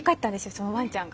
そのワンちゃんが。